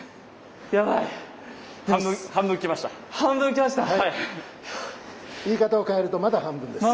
言い方を変えるとまだ半分です。